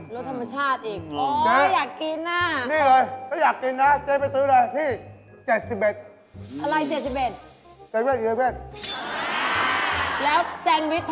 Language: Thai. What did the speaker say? รถธรรมชาติอีก